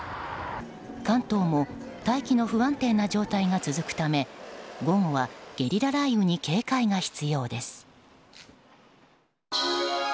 関東も大気が不安定な状態が続くため午後はゲリラ雷雨に警戒が必要です。